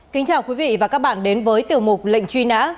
kính chào quý vị và các bạn đến với tiểu mục lệnh truy nã